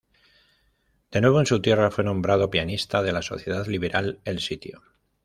De nuevo en su tierra, fue nombrado pianista de la sociedad liberal El Sitio.